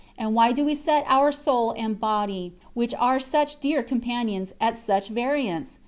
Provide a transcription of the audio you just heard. and why do we set our soul and body, which are such dear companions, at such variance?